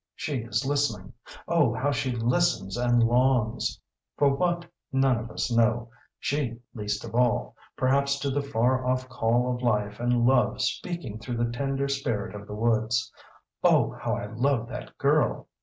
She is listening oh how she listens and longs! For what, none of us know she least of all. Perhaps to the far off call of life and love speaking through the tender spirit of the woods. Oh how I love that girl!